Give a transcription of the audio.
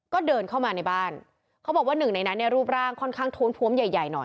ก็เดินเข้ามาในบ้านเขาบอกว่าหนึ่งในนั้นเนี่ยรูปร่างค่อนข้างท้วมใหญ่ใหญ่หน่อย